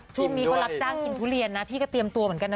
ช่วงนี้เขารับจ้างกินทุเรียนนะพี่ก็เตรียมตัวเหมือนกันนะ